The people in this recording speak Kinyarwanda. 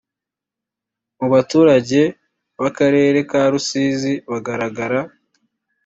mubaturage bakarere ka rusizi bagaragara